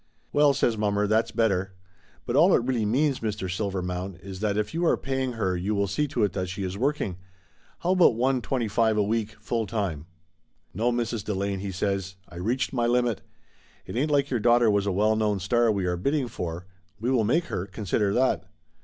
"Well," says mommer, "that's better. But all it really means, Mr. Silvermount, is that if you are pay ing her you will see to it that she is working. How about one twenty five a week, full time?" "No, Mrs. Delane," he says, "I reached my limit. It ain't like your daughter was a well known star we are bidding for. We will make her, consider that!